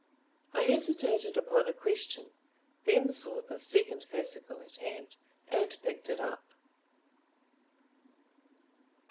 I hesitated upon a question, then saw the second fascicle at hand, and picked it up.)